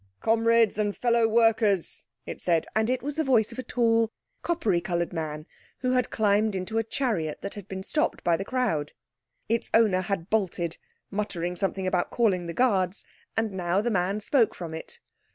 "Comrades and fellow workers," it said, and it was the voice of a tall, coppery coloured man who had climbed into a chariot that had been stopped by the crowd. Its owner had bolted, muttering something about calling the Guards, and now the man spoke from it.